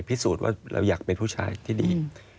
พิสูจน์ว่าเราอยากเป็นผู้ชายที่ดี